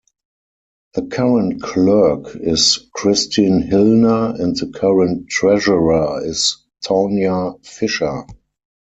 The current Clerk is Kristin Hillner and the current Treasurer is Taunya Fischer.